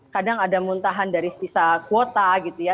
kadang ada muntahan dari sisa kuota gitu ya